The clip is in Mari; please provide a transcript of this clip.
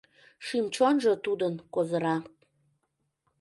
Шӱм-чонжо тудын козыра.